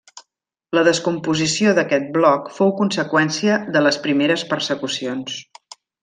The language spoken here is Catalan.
La descomposició d'aquest bloc fou conseqüència de les primeres persecucions.